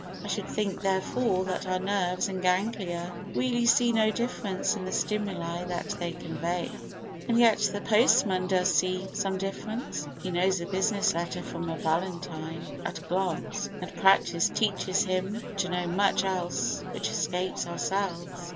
I should think, therefore, that our nerves and ganglia really see no difference in the stimuli that they convey. And yet the postman does see some difference: he knows a business letter from a valentine at a glance and practice teaches him to know much else which escapes ourselves.